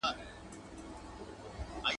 بې نصيبه خواړه گران دي.